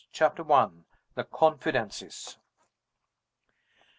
CHAPTER I. THE CONFIDENCES.